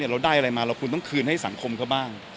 เราได้อะไรมาเราคุณต้องคืนให้สังคมเขาบ้าง